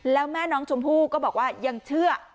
แล้วแม่น้องชมพู่ก็บอกว่ายังเชื่อ